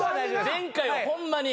前回はホンマに。